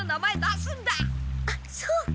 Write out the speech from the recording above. あっそうか。